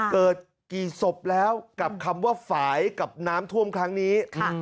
เกิดกี่ศพแล้วกับคำว่าฝ่ายกับน้ำท่วมครั้งนี้